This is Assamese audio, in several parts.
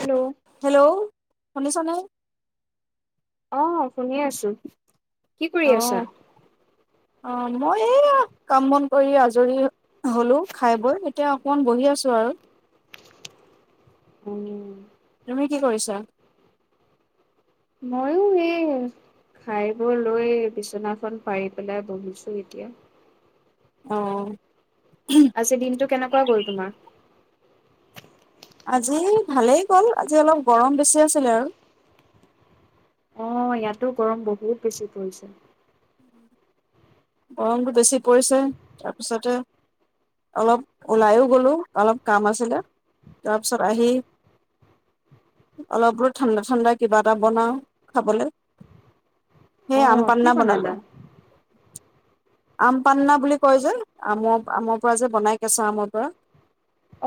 হেল্ল' হেল্ল' শুনিছনে? অ শুনি আছো কি অ কৰি আছা মই এই কাম বন কৰি আজৰি হলোঁ, খাই বৈ, এতিয়া অকমান বহি আছো আৰু। উম তুমি কি কৰিছা? মইয়ো এই খাইবোৰ লৈ বিচনাখন পাৰি পেলাই বহিছো এতিয়া অ আজি দিনটো কেনেকুৱা গ'ল তোমাৰ? আজি ভালেই গ'ল আজি অলপ গৰম বেছি আছিলে আৰু অ ইয়াতো গৰম বহুত বেছি পৰিছে। গৰমটো বেছি পৰিছে তাৰপিছতে অলপ ওলাইও গলোঁ অলপ কাম আছিলে তাৰপিছত আহি অলপলপ ঠাণ্ডা ঠাণ্ডা কিবা এটা বনাওঁ খাবলৈ। অ সেই আম কি পান্না বনালো বনালা? আম পান্না বুলি কয় যে, আমৰ, আমৰ পৰা যে বনাই কেঁচা আমৰ পৰা।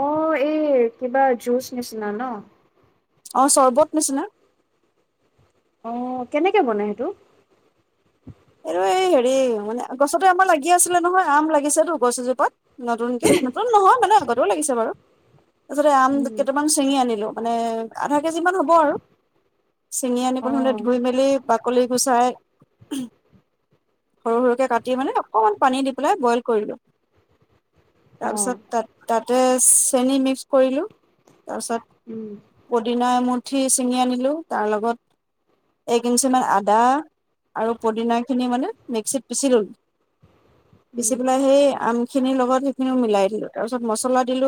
অঁ! এই, কিবা জিউচ নিচিনা ন। অ' চৰ্বত নিচিনা। অ' কেনেকে বন সেইটো? এইটো, এই হেৰি মানে গছতে আমাৰ লাগি আছিলে নহয়। আম লাগিছেতটো গছ এজোপাত। নতুনকে, নতুন নহয় মানে আগতে লাগিছে বাৰু আগতে আম উম কেইটামান চিঙি আনিলো। মানে, আধা কেজি মান হ'ব আৰু! চিঙি আনি অ প্ৰথমতে, ধুই মেলি বাকলি গোচাই সৰু সৰুকে কাটি মানে, অকণমান পানী দি পেলাই বইল কৰিলোঁ। অ তাৰপিছত, তাত তাতে চেনি মিক্স কৰিলো তাৰ পিছত উম পদিনা এমো পুঠি ছিঙি আনিলোঁ তাৰ লগত এক ইঞ্চিমান আদা আৰু পদিনাখিনি মানে মিক্সিত পিচি ল'লো, পিচি উম পেলাই সেই আম খিনিৰ লগত হিনিও মিলাই দিলো তাৰ পিছত মছলা দিলো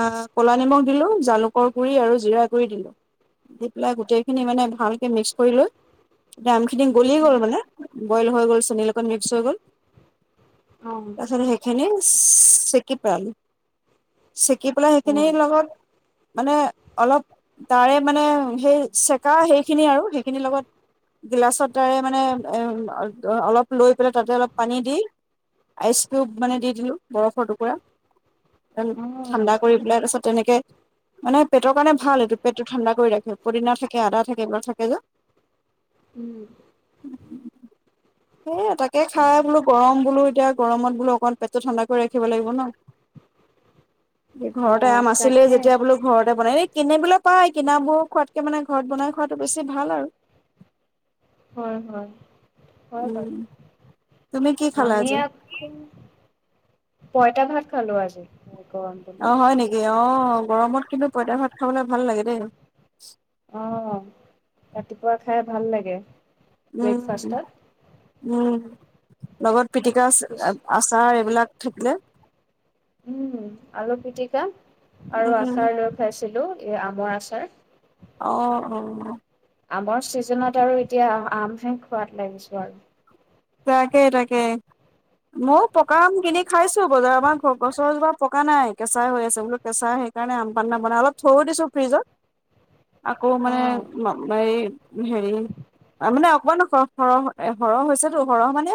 আ কলা নিমখ দিলো জালুকৰ গোৰি আৰু জিৰা গোৰি দিলো দি পেলাই গোতেখিনি মানে ভালকে মি‌ক্স কৰি লৈ আমখিনি গলি গ'ল উম মানে বইল হৈ গ'ল চেনীৰ লগ লগত মিক্স হৈ গ'ল অ তাৰপিছত সেইখিনি চেকিপাল চেকি পেলাই অ হেখিনিয় লগত মানে অলপ তাৰে মানে সেই চেকা হেইখিনি আৰু হেইখিনিৰ লগত গিলাচত তাৰে মানে অ অলপ লৈ পেলাই তাতে অলপ পানী দি আইচ কিউব মানে দি দিলো বৰফৰ টুকুৰা এন অ ঠাণ্ডা কৰি পেলাই তাৰপিছত তেনেকে মানে পেটৰ কাৰণে ভাল এইটো পেটটো ঠাণ্ডা কৰি ৰাখে পদিনা থাকে আদা থাকে এইবিলাক থাকে যে উম সেই তাকে খাই বোলো গৰম বোলো এতিয়া গৰমত বোলো অকমান পেটটো ঠাণ্ডা কৰি ৰাখিব লাগিব ন অ ঘৰতে আম আছিলে তাকে যেতিয়া বোলো ঘৰতে বনাই ই কিনিবলৈ পায় কিনাবোৰ খোৱাতকে মানে ঘৰত বনাই খোৱাতটো বেছি ভাল আৰু হয় হয় হয় হয় উম তুমি কি খালা আমি আজি আক পইতাঁ ভাত খালো আজি। গৰম বুলি অ হয় নেকি অ গৰমত কিন্তু পইতাঁ ভাত খাবলৈ ভাল লাগে দেই অ ৰাতিপুৱা খাই ভাল লাগে উম। ব্ৰেকফাষ্টত উম লগত পিটিকা আচাৰ এইবিলাক থিক না উম আলু পিটিকা আৰু উম আচাৰ লৈ খাইছিলো এই আমৰ আচাৰ অ অ আমৰ ছিজনত আৰু এতিয়া আমহে খোৱাদ লাগিছো আৰু। তাকেই তাকে ময়ো পকাঁ আম কিনি খাইছো বজাৰৰ পৰা গছৰজোপা পকা নাই কেঁচা হৈ আছে বোলো কেঁচা সেইকাৰণে আম পান ন বনাই অলপ থৈ দিছোঁ ফ্ৰিজত আকৌ অ মানে এই হেৰি মানে অকমান সৰহ সৰহ হৈছে সৰহ মানে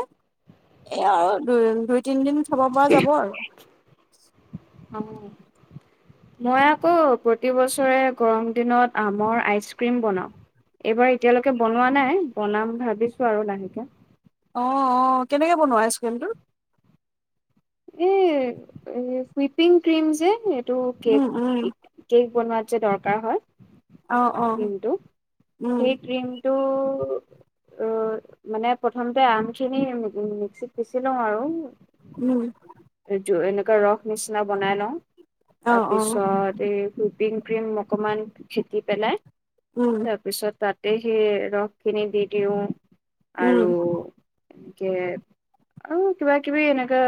এআ আৰু দুই দুই তিনদিন খাব পৰা যাব আৰু! মই আ'ক প্ৰতিবছৰে গৰম দিনত আমৰ বতৰত আইচক্ৰীম বনাও এতিয়ালৈকে বনোৱা নাই, বনাম ভাবিছো [unintelligible] লাহেকে। অ' অ' কেনেকে বনোৱা আইচক্ৰীমটো? এঁ! সোইপিং ক্ৰীম যে এইটো উম কেক উম কেক বনোৱাত যে, দৰকাৰ হয় অ অ ক্ৰীমটো, উম সেই ক্ৰীমটো অ' মানে, প্ৰথমতে আমখিনি মিক্সিত পিচি লওঁ আৰু! উম! এইটো, এনেকুৱা ৰস নিচিনা বনাই লওঁ। অ অ তাৰপিছত এই পিংক ক্ৰীম অকমান ফেটি পেলাই উম তাৰপিছত তাত দে সেই, ৰসখিনি দি দিওঁ। উম আৰু এনেকে, অ' কিবা কিবি এনেকে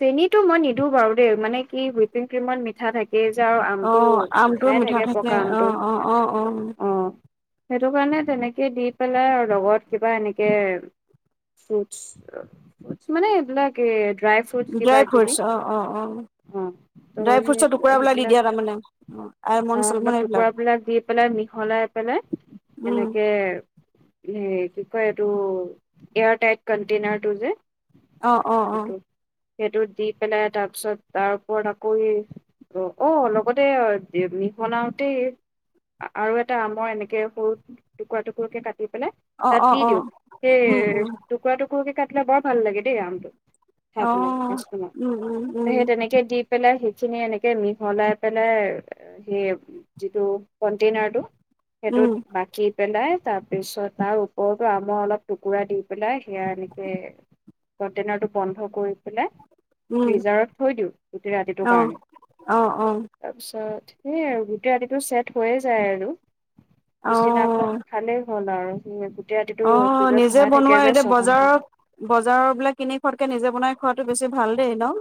চেনিটো মই নিদো বাৰু দেই, মানে কি হুইপিং ক্ৰীমত মিঠা থাকে। সেই যে আৰু অ আমটো আমটো মিঠাই মিঠা থাকে পকা অ আমটো, অ অ অ অ'! সেইটো কাৰণে, তেনেকে দি পেলাই আৰু লগত কিবা এনেকে ফ্ৰুইটচ মানে, এইবিলাক এ ড্ৰাই ফ্ৰুইট। ড্ৰাই ফ্ৰুইটছ, অ' অ' অ' ত' ড্ৰাই সেই ফ্ৰুইটছৰ টুকুৰাবিলাক দি সেইবিলাক দিয়া তাৰমানে, অ' অ অলমন্দ, অলপ চলমন্দ এইবিলাক। টুকুৰাবিলাক দি পেলাই [unintelligible] এনেকে এ' কি কয় এইটো, এয়াৰটাইট কনটেইনাৰটো যে, অ' অ' সেইটো অ' সেইটো দি পেলাই, তাৰ পিছত তাৰ ওপৰত আকৌ অ' লগতে মিহলাওঁ তেই আৰু এটা আমৰ এনেকে সৰু টুকুৰা টুকুৰকে কাটি দি পেলাই অ তাত অ দি অ দিওঁ, উম সেই উম টুকুৰা টুকুৰাকে কাটি তিয়া বৰ ভাল লাগে দেই আমটো। খাই অ পেলাই, আইচ ক্ৰিমৰ। উম উম উম সেই তেনেকে দি পেলাই সেইখিনি এনেকে মিহলাই পেলাই সেই যিটো কন্টেইনাৰটো উম সেইটোত বাকী পেলাই তাৰপিছত তাৰ ওপৰতো আমৰ অলপ টুকুৰা দি পেলাই সেয়া এনেকে কণ্টেইনাৰটো বন্ধ কৰি পেলাই উম ফিজাৰত থৈ দিওঁ গোটেই ৰাতিটোৰ অ কাৰণে অ অ তাৰপিছত সেইয় আৰু গোটেই ৰাতিটো চছেট হৈয়ে যায় আৰু অ পিছদিনাখন খালেই হ'ল আৰু। ঠিক আছে। অ নিজে বনোৱা এতিয়া ছঘন্টামান বজাৰৰ বজাৰ বিলাক কিনি খোৱাতকে নিজে বনাই খোৱাতটো বেছি ভাল দেই ন।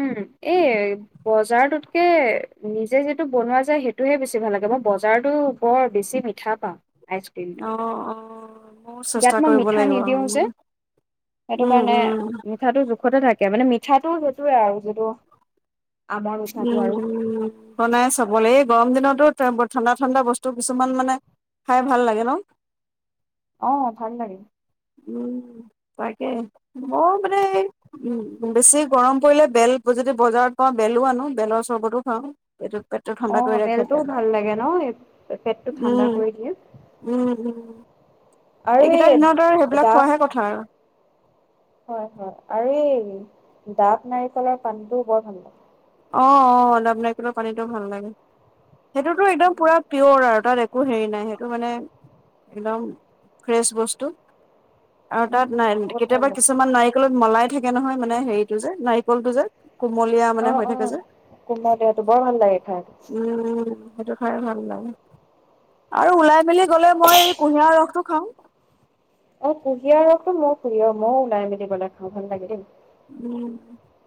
উম এই বজাৰটোতকে নিজে যিটো বনোৱা যায় সেইটোহে বেছি ভাল লাগে মই বজাৰটো বৰ বেছি মিঠা পাওঁ। আইচক্ৰীমটো অ অ ময়ো ইয়াত চেষ্টা মই কৰিব মিঠা লাগিব নিদিওঁ যে সেইটো উম কাৰণে উম উম মিঠাটো জোখতে থাকে। মানে মিঠাটো ত এ আৰু যিটো আমৰ মিঠাটো উম, আৰু। উম বনাই চবলে গৰম দিনতো ঠাণ্ডা, ঠাণ্ডা বস্তু কিছুমান মানে খাই ভাল লাগে ন। অহ ভাল লাগে। উম তাকে মই মানে উ বেছি গৰম পৰিলে বেল যদি বজাৰত পাওঁ বেলো আনো বেলৰ চৰ্বতো খাওঁ। এইটো পেটটো ঠাণ্ডা অ কৰি ৰাখে বেলটোও বেলৰ ভাল লাগে ন। এই পেটটো ঠাণ্ডা উম, কৰি দিয়ে। উম, উম। আৰু এইকেইটা এই দিনত আৰু এইবিলাক ডাব খোৱাহে কথা আৰু। হয় হয় আৰু এই ডাৱ নাৰিকলৰ পানীটোও বৰ ভাল পে অ অ ডাৱ নাৰিকলৰ পানীটো ভাল লাগে। সেইটোতো একদম পুৰা পিয়'ৰ আৰু তাত একো হেৰি নাই সেইটো মানে একদম ফ্ৰেছ বস্তু। আৰু তাত উম, ন বহুত ভাল কেতিয়াবা লাগে কিছুমান নাৰিকলত মলাই থাকে নহয় মানে হেৰিটো যে নাৰিকল টো যে কুমলীয়া মানে হৈ থাকে। যে কুম ডাৱটো বৰ ভাল লাগে খায়। উম, সেইটো খাই ভাল লাগে। আৰু ওলাই মেলি গলে মই এই কুঁহিয়াৰ ৰসটো খাওঁ। এটো মোৰ প্ৰিয় মই ওলাই মেলি গলে খাওঁ ভাল লাগে দেই। উ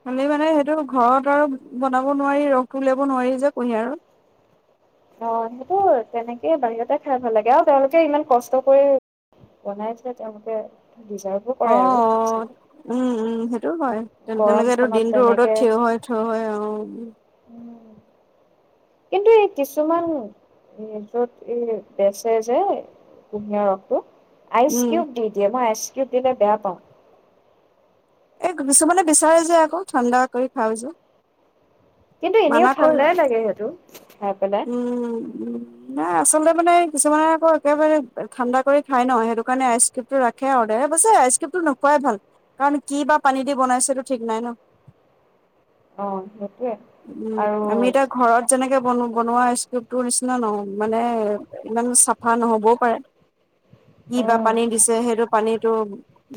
আমি মানে সেইটো ঘৰত আৰু বনাব নোৱাৰি ৰসটো উলিয়াব নোৱাৰি যে কুঁহিয়াৰ অ সেইটো তেনেকেই বাহিৰতে খাই ভাল লাগে। আৰু তেওঁলোকে ইমান কষ্ট কৰি বনাইছেে তেওঁলোকে ডিজাৰ্ভো অ কৰে আৰু সঁচাকে। উম, উম সেইটো হয় তেনেকেটো গৰমখনত দিনটো ৰ'দত তেনেকে থিয় হয়, থিয় হয় অহ উ উম কিন্তু এই কিছুমান যত এই বেচে যে কুঁহিয়ীয়াৰ ৰসটো উম আইচকিউব দি দিয়ে ম ই আইছ কেতিয়াবা বেয়া পাওঁ। এই, কিছুমানে বিচাৰে যে আকৌ ঠাণ্ডা কৰি খাওঁ যে কিন্তু, এনেও মানা কৰি ঠাণ্ডাই লাগে সেইটো খাই পেলাই। উম উম নাই, আচলতে মানে কিছুমানে আকৌ একেবাৰে ঠাণ্ডা কৰি খাই ন সেইটো কাৰণে আইচকিপতো ৰাখে আৰু আইচ আইচকিপতো নোখোৱাই ভাল, কাৰণ কি বা পানী দি বনাইছেতো ঠিক নাই ন। অ সেইটোৱে উম, আৰু আমি এতিয়া ঘৰত যেনেকে বনো বনোৱা আইচকিপতোৰ নিচিনা নহ মানে, ইমান চাফা নহ'বও পাৰে। কি বা উম পানী দিছে সেইটো পানীতো,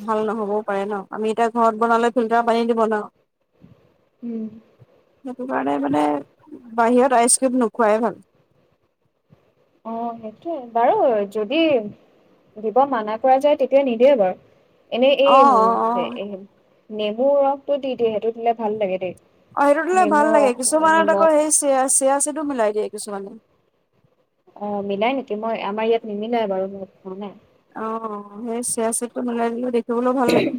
ভাল নহবও পাৰে ন। আমি এতিয়া ঘৰত বনালে ফিল্টাৰ পানী দি বনাও। উম সেইটো কাৰণে মানে বাহিৰত আইচক্ৰীম নোখোৱাই ভাল। অ', সেইটোৱে বাৰু যদি দিব মানা কৰা যায় তেতিয়া নিদিয়ে বাৰু। এনেই, অ অ অ এই নেমু ৰসটো দি-দিয়ে সেইটো দিলে ভাল লাগে দেই। অ', সেইটো দিলে নেমু ভাল লাগে ৰস কিছুমানত আকৌ নিমখ সেই চিয়া মিলাই দিয়ে কিছুমানত। অ', মিলাই নেকি মই আমাৰ ইয়াত নিমিলাই বাৰু মই খোৱা নাই। অ', সেই ছয়া চিদটো মিলাই দিলে ভাল লাগে।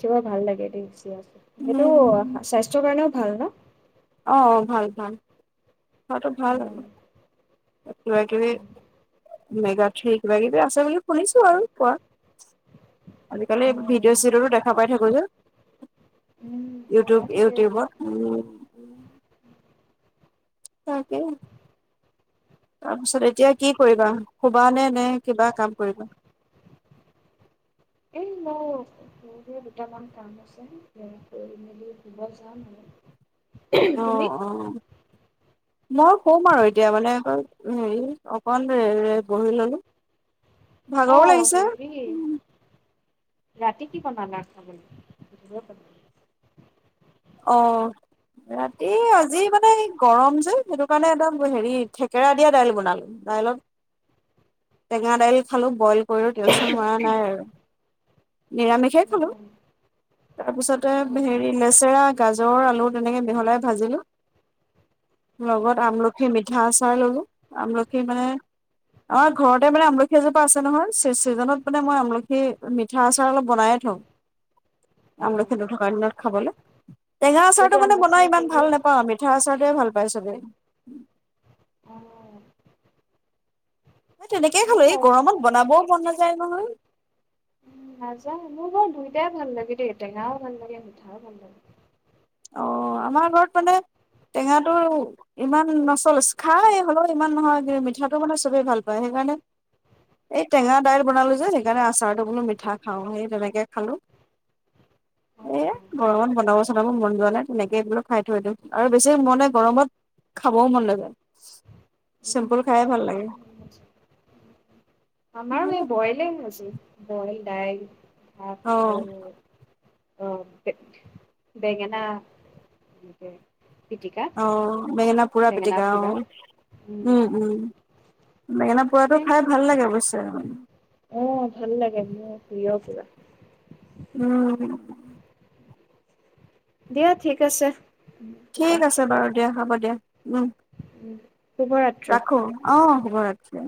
কিবা ভাল লাগে কচিয়া চিদ সেইটো, উম স্বাস্থ্যৰ কাৰণেও ভাল ন। অ', অ', ভাল-ভাল। সটো ভাল আৰু। কিবা কিবি মেগা থ্ৰী কিবা-কিবি আছে বুলি শুনিছো আৰু পোৱা। আজিকালি অ ভিডিঅ-চিডিঅ টো দেখা পাই থাকো যে। উম ওলাই থাকে এইবিলাক ইউটিউব-ইউটিউবত। তাকেই, তাৰপিছত এতিয়া কি কৰিবা শুবা নে, নে কিবা কাম কৰিবা। এই মই সৰুকে দুটামান কাম আছে কৰি মেলি শুব যাম আৰু। তুমি অ', অ'। মইও শুম আৰু এতিয়া মানে আক অকণ এ, বহি ললো। অ, ভাগৰো লাগিছে হেৰি ৰাতি কি বনালা খাবলে অ, ৰাতি আজি মানে গৰম যে সেইটো কাৰণে একদম হেৰি থেকেৰা দিয়া দাইল বনালো, দাইলত টেঙা দাইল খালো বইল কৰিলো তেল-চেল মৰা নাই আৰু। নিৰামিষে খালো অ অ', তাৰপিছতে হেৰি অ', লেচেৰা আলু তেনেকে মিহলাই ভাজিলো লগত আমলখি মিঠা আচাৰ ললো আমলখি মানে আমাৰ ঘৰতে মানে আমলখি এজোপা আছে নহয় চিজনত মানে মই আমলখি মিঠা আচাৰ অলপ বনাইে থওঁ। অ', আমলখি নথকাৰ দিনত খাবলৈ টেঙা এতিয়াতো আচাৰটো মানে আমলখি বনায় ইমান গ'লেই ভাল নাপাওঁ মিঠা আচাৰটোহে ভাল ভাল পাই চবেই অ', মই তেনেকে হয় খালো এই বাৰু গৰমত বনাবও মন নাযায় জয়া নহয় নাজানো মোৰ বাৰু দুইটাই ভাল লাগে দেই টেঙাও ভাল লাগে মিঠাও ভাল লাগে অঁ আমাৰ ঘৰত মানে টেঙাটো ইমান নচলে খাই হ'লেও ইমান নহয় কিন্ত মিঠাটো মানে চবেই ভাল পায় সেইকাৰণে এই টেঙা দাইল বনালোঁ যে সেইকাৰণে আচাৰটো বোলো মিঠা খাওঁ সেই তেনেকৈ খালোঁ। অ', এ অ', গৰমত বনাব চনাব মন যোৱা নাই তেনেকে এই বোলো খাই থৈ দিওঁ আৰু বেছি মানে গৰমত খাবও মন নাযায়। চিম্পুল খায়ে ভাল লাগে। আমাৰো এই বয়লে আজি বইল দাইল ভাত অঁ আৰু অ বেঙনা অঁ বেঙেনা পুৰা পিটিকা পোৰা অঁ উম উম বেঙেনা পুৰাটো খাই ভাল লাগে অৱশ্যে উম অঁ ভাল লাগে মোৰ প্ৰিয় পুৰা উম দিয়া ঠিক আছে। শুবা ঠিক আছে বাৰু দিয়া হ'ব দিয়া উম শুভ ৰাত্ৰি ৰাখো অঁ খবৰ আছে